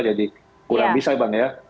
jadi kurang bisa bang ya